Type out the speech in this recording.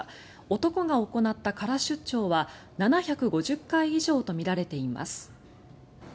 男が行った空出張は７５０回以上とみられています。